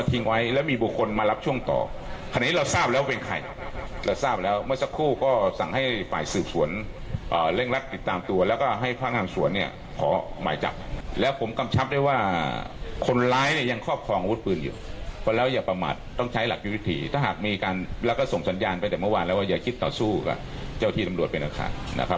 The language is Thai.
ไปแต่เมื่อวานแล้วว่าอย่าคิดต่อสู้กับเจ้าที่ตำรวจไปนะคะ